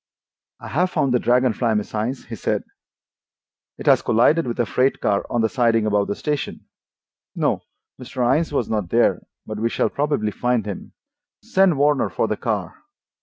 "I have found the Dragon Fly, Miss Innes," he said. "It has collided with a freight car on the siding above the station. No, Mr. Innes was not there, but we shall probably find him. Send Warner for the car."